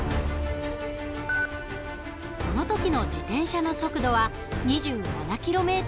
この時の自転車の速度は２７ｋｍ。